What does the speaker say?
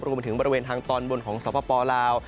รวมไปถึงบริเวณทางตอนบนของสปลาว